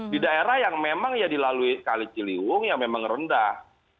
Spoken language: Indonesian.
di daerah yang memang ya dilalui kali ciliwung yang memang rendah